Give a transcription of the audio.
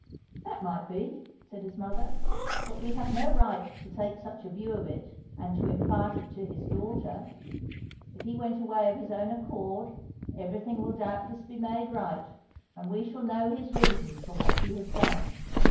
"That might be," said his mother, "but we have no right to take such a view of it, and to impart it to his daughter. If he went away of his own accord, everything will doubtless be made right, and we shall know his reasons for what he has done.